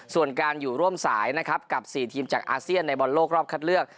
ส่วนการอยู่ร่วมสายนะครับกับ๔ทีมจากอาเซียนในบอลโลกรอบคัดเลือก